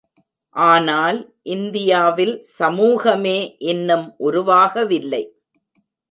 ஆனால் இந்தியாவில் சமூகமே இன்னும் உருவாகவில்லை.